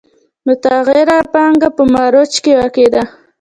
متغیره پانګه په مخرج کې واقع ده